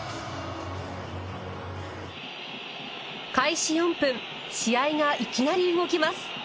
開始４分試合がいきなり動きます。